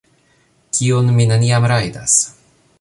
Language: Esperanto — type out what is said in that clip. Kiun mi neniam rajdas...